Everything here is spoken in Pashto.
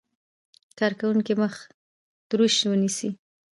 کارکوونکی مخ تروش ونیسي.